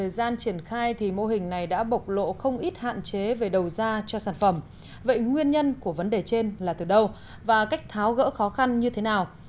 vậy nguyên nhân của vấn đề trên là từ đâu và cách tháo gỡ khó khăn như thế nào